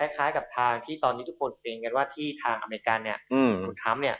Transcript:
คล้ายกับทางที่ตอนนี้ทุกคนเตรียมว่าที่ทางอเมริกาเนี่ย